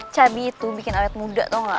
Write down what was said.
cabi itu bikin alat muda tau gak